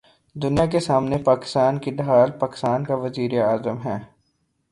دنیا کے سامنے پاکستان کی ڈھال پاکستان کا وزیراعظم ہے۔